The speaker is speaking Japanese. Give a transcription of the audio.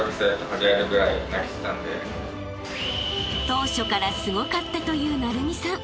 ［当初からすごかったという晟弓さん］